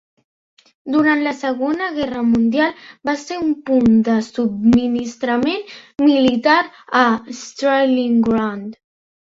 Durant la segona guerra mundial va ser un punt de subministrament militar a Stalingrad.